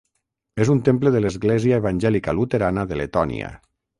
És un temple de l'Església Evangèlica Luterana de Letònia.